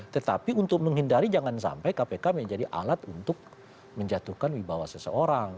tetapi untuk menghindari jangan sampai kpk menjadi alat untuk menjatuhkan wibawa seseorang